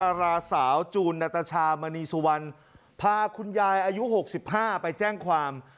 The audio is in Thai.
ราสาวจูนนาตชามณีสุวรรณพาคุณยายอายุ๖๕ไปแจ้งความ